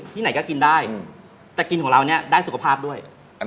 แต่กินของเราได้สุขภาพด้วย